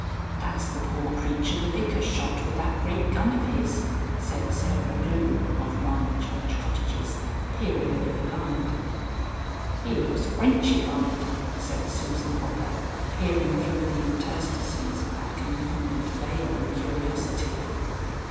"That's the poor creature the Vicar shot with that great gun of his," said Sarah Glue (of 1, Church Cottages) peering over the blind. "He looks Frenchified," said Susan Hopper, peering through the interstices of that convenient veil on curiosity.